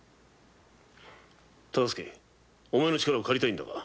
忠相お前の力を借りたいのだが。